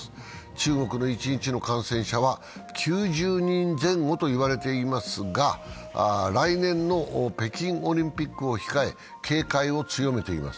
中国の一日の感染者は９０人前後と言われていますが来年の北京オリンピックを控え、警戒を強めています。